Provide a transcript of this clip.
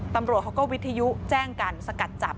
ตำรวจเขาก็วิทยุแจ้งกันสกัดจับ